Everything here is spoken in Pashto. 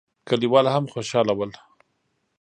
کليوال هم خوشاله ول.